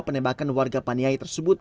penembakan warga paniai tersebut